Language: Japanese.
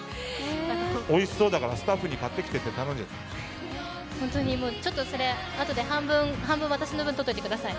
おいしそうだからスタッフに買ってきてって本当にちょっとそれあとで半分、私の分をとっておいてください。